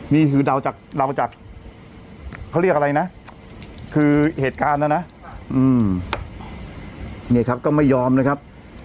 นี่คือเดาจากเดาจากเขาเรียกอะไรนะคือเหตุการณ์นะนะนี่ครับก็ไม่ยอมนะครับ